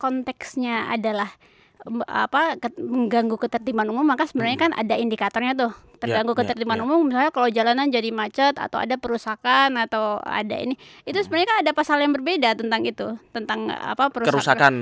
konteksnya adalah mengganggu ketertiban umum maka sebenarnya kan ada indikatornya tuh terganggu ketertiban umum misalnya kalau jalanan jadi macet atau ada perusahaan atau ada ini itu sebenarnya ada pasal yang berbeda tentang itu tentang perusahaan